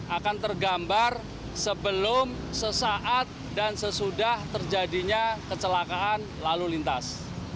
akan tergambar sebelum sesaat dan sesudah terjadinya kecelakaan lalu lintas